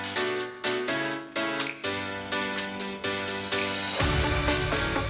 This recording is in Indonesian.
dan untuk mencapai kemampuan